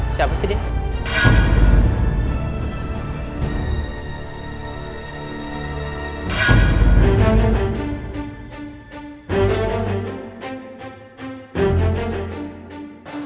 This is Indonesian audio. siapa sih dia